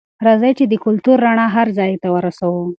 راځئ چې د کلتور رڼا هر ځای ته ورسوو.